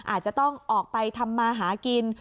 อาจจะต้องออกไปทำมาหากิน